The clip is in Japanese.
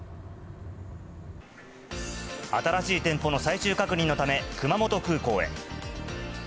新しい店舗の最終確認のため、熊本空港へ。